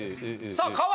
さあ河合。